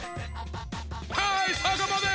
はいそこまで！